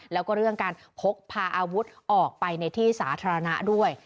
แล้วก็เรื่องการพกพาอาวุธออกไปในที่สาธารณะด้วย